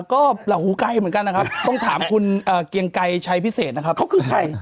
ก็หลับหูไกลเหมือนกันนะครับต้องถามคุณเกียงไกรชัยพิเศษนะครับเขาคือใคร